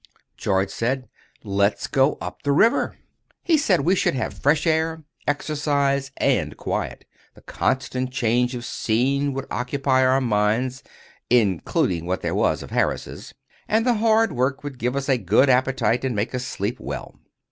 George said: "Let's go up the river." He said we should have fresh air, exercise and quiet; the constant change of scene would occupy our minds (including what there was of Harris's); and the hard work would give us a good appetite, and make us sleep well.